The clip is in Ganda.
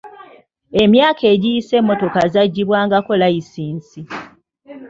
Emyaka egiyise emmotoka zaggibwangako layisinsi